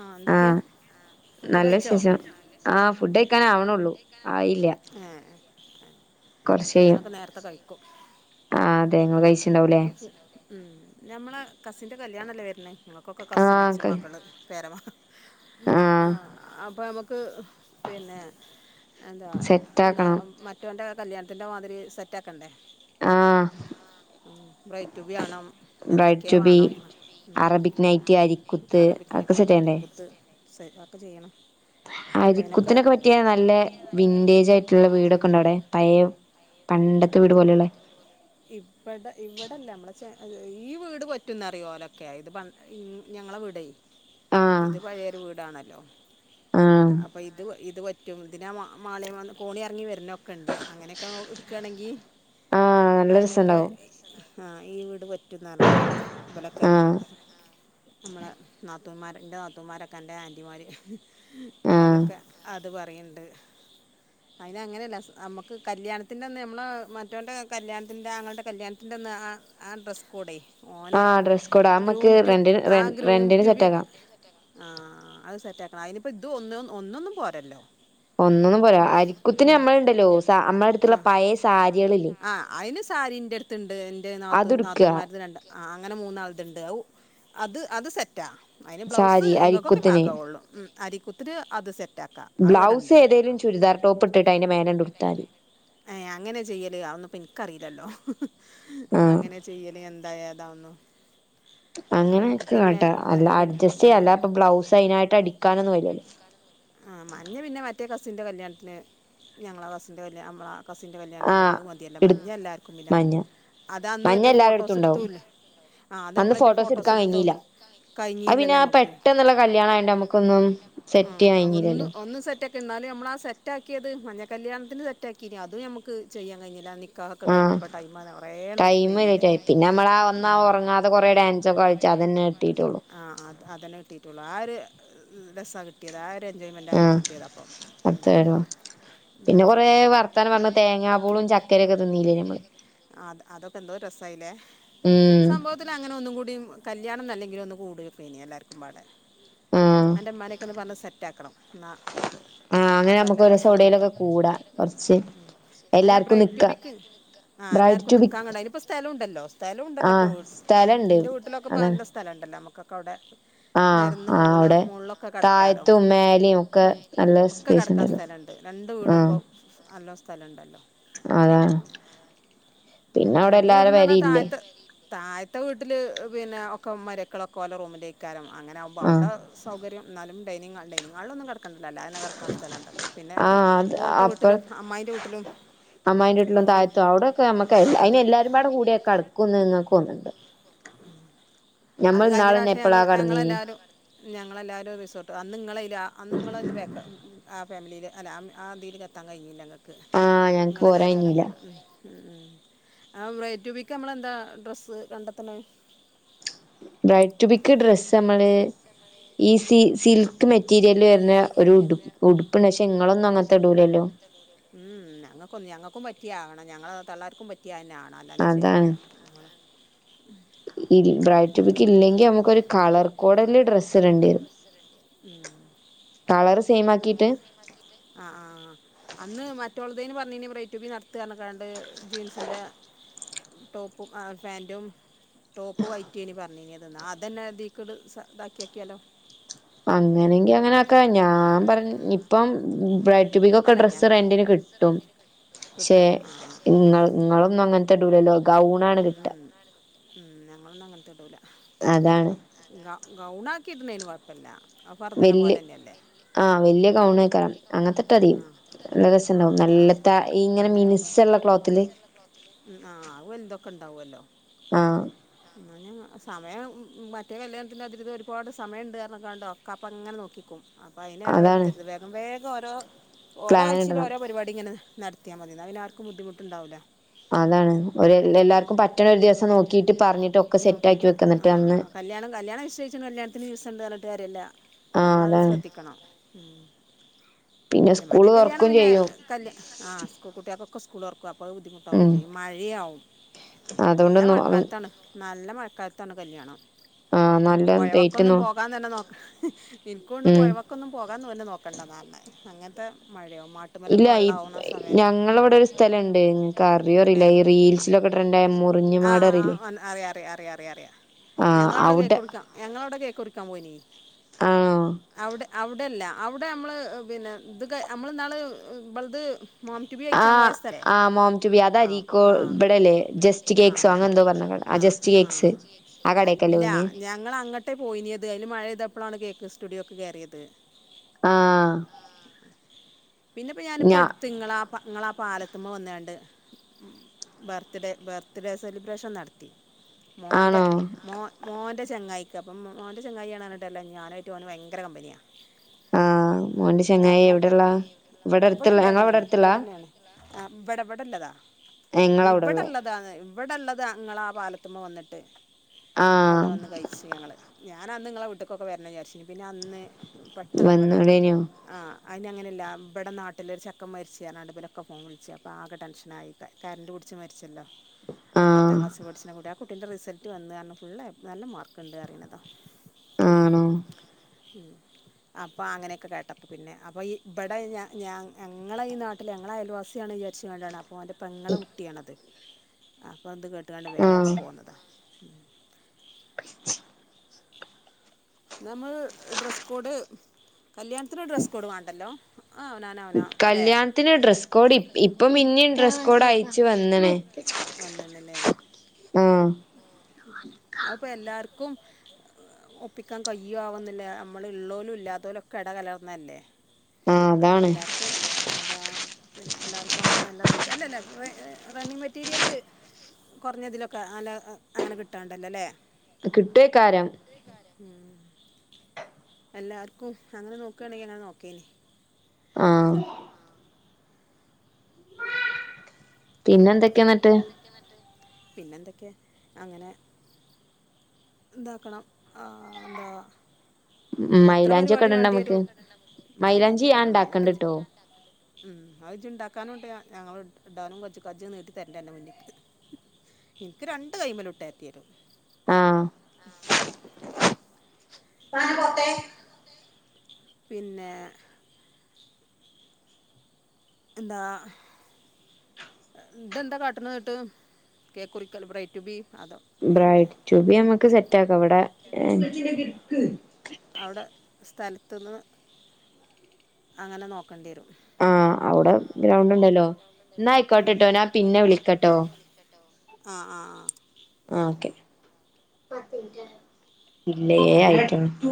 ആഹ് എന്തൊക്കെ ഫുഡൊക്കെ നല്ല കഴിച്ചോ വിശേഷം ആഹ് ഫുഡ് ഉം കഴിക്കാൻ ആവണുള്ളൂ ആയില്ല ഏഹ് ഏഹ് കൊറച്ച് കഴിയും ഞാനൊക്കെ നേരത്തെ കഴിക്കും ആഹ് അതെ ഇങ്ങള് കഴിച്ചിണ്ടാവൂലേ റിച് ഉം ഞമ്മളെ കസിന്റെ കല്യാണല്ലേ വെര്ണെ കൊക്കെ കസിന് ആഹ് കഴി പേര മ ആഹ് അപ്പ ഞമ്മക്ക് പിന്നെ എന്താ സെറ്റ് ന്നാ ആക്കണം മറ്റൊൻ്റെ കല്യാൺത്തിൻ്റെ മാതിരി സെറ്റാക്കണ്ടേ ആഹ് ഉ ബ്രൈറ്റൂബി വാണം എന്തൊക്കെ വാണം ഉം നൈറ്റി ആരി അറബിക്നെറ്റ്, അരീക്കുത്ത്, സേ ക്കെ ചെയ്യണം അപ്പൊ അതിനൊക്കെ അരികുത്തിനൊക്കെ പറ്റിയെ നല്ല വിന്റേജ് ആയിട്ടുള്ള വീടൊക്കെണ്ടോ അവടെ പഴയെ പണ്ടത്തെ വീട് പോലെയുള്ള ഇപ്പടെ ഇവിടെല്ല നമ്മള ചെ ഈ വീട് പറ്റുന്നറിയോ ഓലൊക്കെ ഇത്പ ഉം ഞങ്ങളെ വീടേ ആഹ് ഇത് പഴയൊരു വീടാണല്ലോ ആഹ് ഇപ്പം ഇത് ഇത് പറ്റും ഇതിന ആ മാളി കോണിഎറങ്ങി വരുന്നൊക്കെണ്ട് അങ്ങനെയൊക്കെ നൊ ഇട്ക്കാ ണെങ്കി ആ അയിനൊക്കെ ആ ഈ വീട് പറ്റുന്ന്അർണു ഇബലൊക്കെ ആഹ് നമ്മളെ നാത്തൂന്മാർ ഇന്റെ നാത്തൂന്മാരൊക്കെ അൻ്റെ ആൻറ്റിമാര്ഹ് ആഹ് ഓലൊക്കെ അത് പറിയിൻണ്ട് അയിന അങ്ങനെയല്ല നമ്മക്ക് കല്യാണത്തിന്റെ നമ്മളെ മറ്റോന്റെ കല്യാണ ഇൻ്റെ ആഞങ്ങൾടെ കല്യാണത്തിന്റെന്ന് ആ ആ ഡ്രസ്സ് കൊഡെ ഓന് ആഹ് ഡ്രസ് കോഡ് അത് നമ്മക്ക് ഗ്രൂംറ്റു റെന്റിന് ആ റെന്റിന് ഗ്രൂബി സെറ്റ് ആക്കാം ആ അഹ് സെറ്റാക്കണം. അയിനിപ്പം ഇത് ഒന്ന് ഒന്നൊന്നും പോരല്ലോ ഒന്നൊന്നു പോരാ അരിക്കുത്തിന് നമ്മൾണ്ടല്ലോ നമ്മളടുത്ള്ള പയേ സാരികളില്ലേ ആഹ് അയിന് സാരിൻ്റട്ത്ത്ണ്ട് ഇൻ്റെ നാത്തു അതെടുക്കുക നാത്തൂന്മാര് രണ്ടാ ആ അങ്ങനെ മൂന്നാൾത്ണ്ട് ഔ അത് അത് സെറ്റാ അയിന് ബ്ലൗസ് സാരി ങ്ങക്കൊക്കെ അരിക്കുത്തിന് പാകാ വൊള്ളൂ. ഉം അരിക്കുത്ത്ന് അത് സെറ്റ് ആക് ബ്ലൗസ് ഏതേലും ചുരിദാർ ടോപ്പ്ട്ട്ട്ട് അയിന്റെ മേലണ്ട് ഉട്ത്താതി ഏഹ് അങ്ങനെചെയ്യല് അഒന്നുപ്പം ഇൻക്കറീലല്ലോ മതി ആഹ് അങ്ങനെ ചെയ്യല് എന്താ ഏതാ ഒന്നും അങ്ങനെയൊക്കെകാട്ടാ അല്ല പിന്നെ അഡ്ജസ്റ്റ് ആ ചെയ്യല്ലാപ്പം ബ്ലൗസ് അയിനായിട്ട് അടിക്കാനൊന്നുംകയ്യില്ലല്ലോ ആഹ് മഞ്ഞ പിന്നെ മറ്റേകസിൻ്റെ കല്ല്യാൺത്തിന് ഞങ്ങളെ കസിൻ്റെ കല്ല്യാ അമ്മളാ കസിന്റെ കല്ല്യാൺത്തിന് ആഹ് അഹ് മത്യയല്ലോ എടു മഞ്ഞ എല്ലാര്ക്കും പിന്നാവും മഞ്ഞ അതാ അന്ന് മഞ്ഞ മറ്റേ എല്ലാരടുത്തും ഫോട്ടോസ് ഉണ്ടാവും ഇടുത്തൂല്ല്യ ആഹ് അത് അന്ന് അമ്മളറ്റ ഫോട്ടോസ് എടുക്കാൻ ഇട്ത്തോ കഴിഞ്ഞില്ല അത് പിന്നെ കഴിഞ്ഞീല്ലല്ലോ ഞമ്മക്ക് അഹ് പിന്നേ പെട്ടെന്നുള്ള ആഹ് കല്യാണം ആയോണ്ട് പെട്ടന്ന്ള്ള നമുക്കൊന്നും സെറ്റ് ചെയ്യാൻ കല്ല്യാണയോണ്ട് ആഹ് ഒന്നും കഴിഞ്ഞില്ലല്ലോ ഒന്ന് സെറ്റാ എന്നാല് നമ്മളാ സെറ്റാക്കിയത് മഞ്ഞ കല്യാൺത്തിന് സെറ്റാക്കീന അതും നമ്മക്ക് ചെയ്യാൻ കഴിഞ്ഞില്ലയ്നി ആഹ് ടൈമ് വൈകിയില്ലേ കുറേ പിന്നെ നമ്മളാ ഒന്നാ ഒറങ്ങാതെ കൊറേ ഡാൻസൊക്കെ കളിച്ച അതെന്നേ ട്ടിട്ടൊള്ളൂ ആഹ് അത് അതന്നെ കിട്ടീട്ടൊള്ളൂ ആഹ് ഒര് രസ കിട്ടിയത് ആഒര് എൻജോയ്മെന്റാ അമ്മകിട്ടിയത് അപ്പം ഉം അത്തേടൊ പിന്നെ കുറേ വർത്താനംപറഞ്ഞ് തേങ്ങാപൂളും ചക്കരയൊക്കെ തിന്ന്ല്ല്യേനിയോ അമ്മള് അത് അതൊക്കെ എന്തോ രസായിലേ ഉം സംബോവത്തിലങ്ങനെ ഒന്നുംകൂടിം കല്ല്യാണംന്നല്ലെങ്കിലൊന്ന് കൂടിയോക്കേനി എല്ലാര്ക്കും പാടെ ആഹ് അന്റെമ്മാനെക്കെന്ന് പറഞ്ഞ് സെറ്റ് ആക്കണം ന്നാ ആഹ് അങ്ങനെ നമ്മക്ക് ഓരോസം ഓവ്ടെലൊക്കെ കൂടാ കൊറച്ച് ഉം. അല്ല എല്ലാർക്കും നിക്കാ ബ്രൈറ്റുബിക്ക് ആഹ് ബ്രൈഡ് ടു ബി എല്ലർക്കുംനിക്കാൻകണ്ട അയിനി പ്പോസ്ഥലൂണ്ടല്ലോ സ്ഥലൂണ്ടല്ലപ്പോ ആഹ് സ്ഥലണ്ട് ഇന്റെ വീട്ടിലൊക്കെപ്പ അതാണ് നല്ല സ്ഥലണ്ടല്ലോ അമ്മക്കൊക്കെ അവടെ ആഹ് നരന്ന് ആഹ് മോൾള അവിടെ മോൾളൊക്കെ കെടക്കാലോ താഴത്തും മേലേം തായ്ത്തും ഒക്കെ മേലിം നല്ല ഒക്കെ സ്പേസ് കെടക്കാൻ ഉണ്ടല്ലോ സ്ഥലണ്ട് രണ്ട് ആഹ് വീടുമ്പം നല്ലോ സ്ഥല ഉണ്ടല്ലോ അതാണ് പിന്നെ അവുടെ എല്ലാര പെരിയില്ലേ താഴത്തവീട്ട്ല് പിന്നെ ഒക്കെ മരക്കളൊക്കെ ഓലറൂമിലേക്കാരം അങ്ങനാവുമ്പോ ആഹ് അവുടെ സൗകര്യം ന്നാലും ഡൈനിങ്ങാൾ ഡൈനിങ്ങാൾളൊന്നും കെടക്കണ്ടല്ലോ അല്ലാതെന്നെകെട ക്കാൻസ്ഥലണ്ടല്ലോ പിന്നെ ആഹ് മോൾത്തെവീട്ടിലും അമ്മായിന്റെവീട്ടിലും അമ്മായിന്റെട്ടിലും താഴത്തും അവുടൊക്കെ അമ്മക്ക്അയവില്ല അങ്ങനെ അയിന് അയിനേല്ലാരുപാട കൂട്യകടക്കൊന്ന് ഇങ്ങക്കൊന്ന്ണ്ടോ ഉ അത് കഴിഞ്ഞറാശ്യം ഞങ്ങ എപ്പളാ കടന്നീന് ഞങ്ങളെല്ലാവരും ഞങ്ങളെല്ലാരും റിസോർട്ട് അന്ന്ങ്ങളെ എയില അന്ന്ഇങ്ങളഎന്നും ബേക്ക് ഉം ഉം ആ ഫാമിലീല് അല്ലഅംആഹ്തീല് എത്താംകഴിഞ്ഞില്ല ഇങ്ങക്ക് ആഹ് ഞങ്ങക്ക് പോരാൻ കഴിഞ്ഞില്ല ഇങ്ങളല്ലാത്തോലൊക്കെണ്ട് ഉം ആഹ് ബ്രെയ്റ്റൂബിക്ക്‌അമ്മളെന്താ ഡ്രസ്സ്കണ്ടത്ത്ണ് ബ്രൈറ്റുബിക്ക്‌ ഡ്രസ്സ് അമ്മള് ഈസി സിൽക്ക്മെറ്റീരിയല് വെര്ന ഒരു ഉടു ഉടുപ്പ്ണ്ട് പഷേ ഇങ്ങളൊന്നും അങ്ങൻത്തെ ഇടൂലല്ലോ ഉംഉം ഞങ്ങക്കൊന്ന് ഞങ്ങക്കും പറ്റിയാവണം ഞങ്ങളതള്ളാർക്കും പ റ്റിയെ അഹന്നെആവണം അല്ലാഞ്ഞ സെരിയാവൂല അമ്മള് ഇൽ ബ്രൈറ്റൂബിക്ക് ഇല്ലെങ്കി അമ്മക്കൊര് കളർകോഡല്ല് ഡ്രസ്സ് ഇടണ്ടിരും ഉം കളറ് സെയിം ആക്കിയിട്ട് കളറ്സെയിമാക്കീട്ട് ആഹ്ആഹ്ആഹ്ആഹ് അന്ന് മറ്റോൾതേനി പറഞ്ഞീനേ ബ്രെയിറ്റൂബി നടത്താർഞ്ഞികാണ്ട് ജീൻസിന്റെ ടോപ്പുംആഹ്ഫേന്റും ടോപ്പ് വൈറ്റേനി പറഞ്ഞിനിയത് ന്നാഅതന്ന ദീക്ക്‌ട് സഇതാക്ക്യോക്ക്യാലോ അങ്ങനെങ്കി അങ്ങനാക്ക ഞാൻപറഇപ്പം ബ്രൈ റ്റൂബികൊക്കെ ഡ്രസ്സ്റെന്റിന്കിട്ടും ക്ഷെ കിട്ടും ഇങ്ങള്ഇങ്ങളൊന്നുംഅങ്ങൻ ഉം ഉം ഞങ്ങളൊന്നും അങ്ങൻത്തെഇടൂല്ല അതാണ് ഗൗ ഗൗണാക്കിയിട്ണേന് കൊഴപ്പല്ല്യ ഇതന്ന വല്യ പോലന്നെല്ലേ ആഹ് വെല്ല്യ ഗൗണേയ്കാരം അങ്ങൻത്തെട്ടാതി ആഹ് രസംണ്ടാവും അത് നല്ല ആഹ് ത ഇങ്ങനെ അങ്ങനെ ആകുമ്പോ മിനിസള്ള ക്ലോത്തില് ഉം ആ വല്തൊക്കെ ഉണ്ടാവല്ലോ ആഹ് ഞാന് സമയം മറ്റേ കല്യാണത്തിന്റെ അതിരുത് ഒരുപാട് സമയണ്ട് പറഞ്ഞിക്കാണ്ട് ഒക്ക അപ്പൊങ്ങനെ നോക്കിക്കും അപ്പോ അയിനിട അതാണ് വരുത്തരുതേ വേഗം വേഗം ഓരോ ഓരോ പ്ലാൻ ആഴ്ചയിലും ഇടണം ഓരോ പരിപാടി ഇങ്ങനെ നട ത്തിയാൽ മതി ന്നാപ്പിന്നെ ആർക്കും ബുദ്ധിമുട്ടുണ്ടാവില്ല അതാണ് എല്ലാവർക്കും പറ്റണ ഒരു ദിവസം നോക്കിട്ട് പറഞ്ഞിട്ടൊക്കെ നോക്കിയിട്ട് സെറ്റാക്കി ഒക്കെ ആ സെറ്റ് വെക്കുന്നിട്ട് ആയി അന്ന് കിട്ടും കല്യാണം കല്യാണം നിശ്ചയിച്ചിച്ചണ്ട് കല്യാണത്തിന് ദിവസണ്ട് പറഞ്ഞിട്ട കാര്യല്ല ആഹ് നമ്മളത് അതാണ് ശ്രദ്ധിക്കണം ഉം പിന്നെ സ്കൂള് മഞ്ഞക്കല്ല്യാണം തുറക്കും പിന്നെ ചെയ്യും കല്യാ ആ സ്കൂൾ കുട്ടികൾക്കൊക്കെ സ്കൂളൊറക്കും അപ്പം ഇപ്പോ ഉം ബുദ്ധിമുട്ടാവുല്ലേ മഴയാവും അതുകൊണ്ട് നല്ല നോ മഴക്കാലത്താണ് നല്ല മഴക്കാലത്താണ് കല്യാണം ആഹ് നല്ല ഡേറ്റ് പൊഴവക്കൊന്നും നോ പോകാൻ തന്നെ നോക്ക എനിക്കൊണ്ട് ഉം പൊഴവക്ക നക്കൊന്നും പോകാൻന്ന് തന്നെ നോക്കണ്ടന്ന് പറഞ്ഞ അങ്ങനത്തെ മഴയോ മാട്ട ഇല്ല ഈ ഞങ്ങളവിടെ ഒരു സ്ഥലംണ്ട് ങ്ങക്ക് അറിയോ അറിയില്ല ഏ ഈ റീൽസിലൊക്കെ ണ്ടായ മുറിഞ്ഞ് ആ ആ ആ മാടറിലെ വന്ന് അറിയാം അറിയാം അറിയാം അറിയാം അറിയാം ഞങ്ങളവിടെ കേക്ക് കൊടുക്കാ ഞങ്ങളവിടെ കേക്ക് മുറിക്കാൻ പോയിനി ആഹ് അവിടെ അവിടെല്ല അവിടെ നമ്മള് പിന്നെ ഇത് നമ്മളിന്നാള് ഇവള്ത് മോം റ്റു ബി കയിച്ചാ പോയ ആഹ് സ്ഥലം ആഹ് മോം ടു ബി അത് ആ അരീക്കോ ആ ഇബടല്ലേ ജസ്റ്റ് ആ കേക്ക്സോ അങ്ങനെ എന്തോ പറഞ്ഞ കട ആ ജസ്റ്റ് ആ കേക്ക്സ് ആ കടേക്കല്ലേ അല്ല പോയിന് ഞങ്ങളങ്ങട്ട് പോയിനീത് അതിൽ മഴെയ്തപ്പോഴാണ് കേക്ക് സ്റ്റുഡിയോ ഒക്കെ കേറിയത് ആഹ് പിന്നെപ്പ ഞാനിപ്പ ഞാ അടുത്ത്ങ്ങളാ ങ്ങ്ളാ പാലത്തുമ്മാ വന്നിങ്ങാണ്ട് ബർത്ത്ഡേ ബർത്ത്ഡേ സെലിബ്രേഷൻ നടത്തി മോന്റെ ആണോ മോ മോന്റെ ചങ്ങായിക്ക് അപ്പം മോന്റെ ചങ്ങായിയാണ് [unintelligible] ഞാനുവായിട്ട് ഓന് ഭയങ്കര കമ്പനിയാണ് ആഹ് മോന്റെ ചങ്ങായി അപ്പം എവിടെള്ളാ ഇവിടെ അടുത്തുള്ള ഞങ്ങളെ ഇവിടെ ഇവിടെല്ലന്നെയാണ് അടുത്തുള്ളാ ഇവിടെന്നെയാണ് ആ ഇവിടെ ഇവിടെള്ളതാ ഞങ്ങളവിടെള്ളെ ഇവിടെള്ളത് അതാണ് ഇവിടെള്ളത് ങ്ങളാ ആ പാലത്തുമ്മ വന്നിട്ട് ആഹ് അവിടെ വന്ന് കയിച്ചു ഞങ്ങള് ഞാനന്ന് നിങ്ങളെ വീട്ടിക്കൊക്കെ വരണം വിചാരിച്ച പിന്നെ അന്ന് പെ ട്ടെന്നിവിടെ വന്നൂടേനോ ആ അതിന്റെയങ്ങനെയല്ല ഇവിടെ നാട്ടിലൊരു ചെക്കൻ മരിച്ച് പറഞ്ഞാണ്ട് ഇവലൊക്കെ ഫോൺ വിളിച്ച് അപ്പോൾ ആകെ ടെൻഷനായി കറന്റ് പിടിച്ച് മരിച്ചല്ലോ പത്താം ആഹ് ക്ലാസ് പഠിച്ചണ കുട്ടി ആ കുട്ടീന്റെ റിസൾട്ട് വന്ന് പറഞ്ഞ് ഫുള് എ പ്ലസ് നല്ല മാർക്കുണ്ട് അറിയണതാ ആണോ ഉം അപ്പോ അങ്ങനെയൊക്കെ കേട്ടപ്പോ പിന്നെ അപ്പോ ഈ ഇവിടെ ഞ ഞങ്ങളെ ഈ നാ ട്ടില്ലേ ഞങ്ങളെ അയൽവാസിയാണ് വിചാരിചെങ്ങാണ്ടാണ് മോൻ്റെ പെങ്ങളെ കുട്ടിയാണത് ആ അപ്പോ എന്ത് കേട്ടുങ്ങാണ്ട് വേഗം ആഹ് പോന്നതാ [unintelligible] നമ്മള് ഡ്രസ്സ് കോഡ് കല്യാണത്തിന് ഡ്രസ്സ് കോഡ് വേണ്ടല്ലോ ആ നാ കല്യാണത്തിന് ഡ്രസ്സ് കോഡ് ഇപ്പം പിന്നേം ഡ്രസ്സ് കോഡ് അയച്ചു വന്ന്ണു വന്ന്ണ്ല്ലേ ആഹ് അക്പ്പൊ എല്ലാർക്കും ഒപ്പിക്കാൻ കയ്യോ ആവുന്നില്ല നമ്മൾ ഉള്ളോലും ഇല്ലാതോലും ഒക്കെ ഇട കലർന്നതല്ലേ ആഹ് അപ്പം അതാണ് എല്ലാർക്കും അതാ പിന്നെ എല്ലാർക്കും ആവുമ്പോൾ നല്ല റേറ്റ് അല്ലല്ല റണ്ണിങ്‌ മെറ്റീരിയല് കുറഞ്ഞതിലൊക്കെ അല അങ്ങനെ കിട്ടാണ്ടല്ലോല്ലേ കിട്ട്വേക്കാരം മ് എല്ലാവർക്കും അങ്ങനെ നോക്കയാണെങ്കിൽ അങ്ങനെ നോക്കേന ആഹ് പിന്നെ എന്തൊക്കെയാ ന്നിട്ട് പിന്നെന്തൊക്കെ അങ്ങനെ ഇന്താക്കണം ആ ന്താ ഉം എത്ര മൈലാഞ്ചി ഒക്കെ പരിപാടി ഇടണ്ട വേണ്ടി നമുക്ക് വരും മൈലാഞ്ചി ഞാൻ മൈലാഞ്ചിയൊക്കെടണോ അയ്നൊക്കെ ഇണ്ടാക്കണ്ട്ട്ടോ മ് അത് ച്ചിണ്ടാക്കാനും ഇട ഞങ്ങൾ ഇടാനും കജ്‌ നീട്ടി തരേണ്ട അന്റെ ന മുന്നേക്‌ നിക്ക് രണ്ട് കൈമേലും ഇട്ട രെണ്ടിയെരും ആ പോതേ പിന്നെ എന്താ ഇതെന്താ കാട്ട്ന്ന ഇന്ന്ട്ട് കേക്കുറിക്കൽ ബ്രൈഡ് റ്റു ബി അതോ പിന്നെ ബ്രൈഡ് ടു ബി നമ്മക്ക് സെറ്റ് ആക്കാം ഇവിടെ ഏഹ് അവ്ടെ സ്ഥലത്ത്ന്ന് അങ്ങനെ നോക്കേണ്ടി വെരും ആഹ അവിടെ ഗ്രൗണ്ട് ഇണ്ടല്ലോ ഇന്നാ ഉം അയിക്കോട്ടെട്ടോ ഞാൻ പിന്നെ വിളിക്കട്ടോ ആഹ് ആഹ് ആഹ് ആഹ് ഓക്കെ ഇല്ലയേ എയായിട്ടുള്ളു